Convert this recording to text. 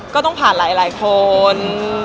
ก็ต้องผ่านหลายคน